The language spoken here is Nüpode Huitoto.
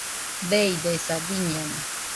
Deidesaa, biñeno